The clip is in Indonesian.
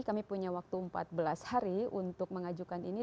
kami punya waktu empat belas hari untuk mengajukan ini